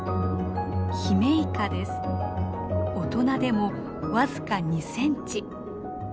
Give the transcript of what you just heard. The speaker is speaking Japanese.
大人でも僅か２センチ。